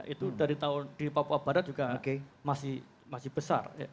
itu dari di papua barat juga masih besar